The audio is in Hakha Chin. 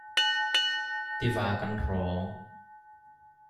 Tiva kan hrawng.